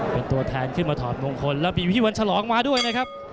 เป็นตัวแทนขึ้นมาถอดมงคลแล้วมีอยู่ที่วันฉลองมาด้วยนะครับ